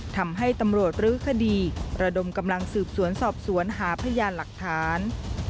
ทำให้ตำรวจรื้อคดีระดมกำลังสืบสวนสอบสวนหาพยานหลักฐาน